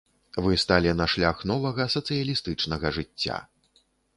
Вы сталі на шлях новага, сацыялістычнага жыцця.